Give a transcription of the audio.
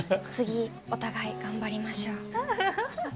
次、お互い、頑張りましょう。